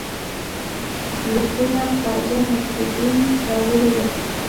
لیکونه خواجه نصیرالدین راوړي وه.